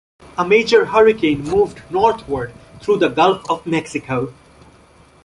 A major hurricane moved northward through the Gulf of Mexico.